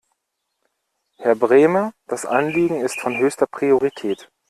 Herr Brehme, das Anliegen ist von höchster Priorität.